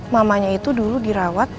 mamanya itu dulu dirawat